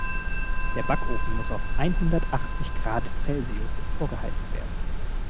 Der Backofen muss auf einhundertachzig Grad Celsius vorgeheizt werden.